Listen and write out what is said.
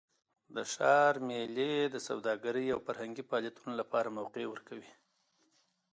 د ښار میلې د سوداګرۍ او فرهنګي فعالیتونو لپاره موقع ورکوي.